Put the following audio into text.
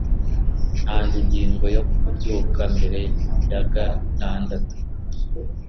Ntanze ingingo yo kubyuka mbere ya gatandatu.